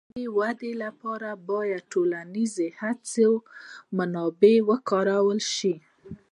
د ژبې د وده لپاره باید ټولنیزې هڅې او منابع وکارول شي.